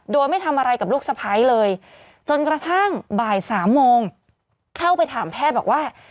โดยไม่ทำอะไรกับลูกสะพ้ายเลยจนกระทั่งบ่ายสามโมงเข้าไปถามแพทย์บอกว่า